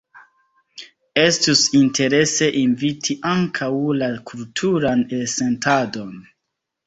Estus interese inviti ankaŭ la kulturan resentadon.